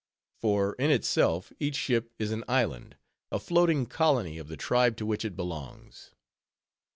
For, in itself, each ship is an island, a floating colony of the tribe to which it belongs.